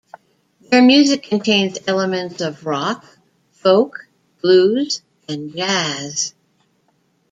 Their music contains elements of rock, folk, blues, and jazz.